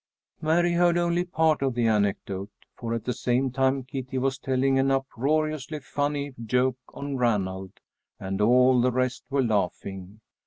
Mary heard only part of the anecdote, for at the same time Kitty was telling an uproariously funny joke on Ranald, and all the rest were laughing.